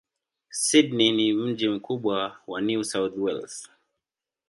Sydney ni mji mkubwa wa New South Wales.